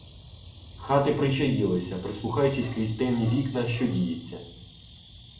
Хати причаїлися, прислухаючись крізь темні вікна, що діється.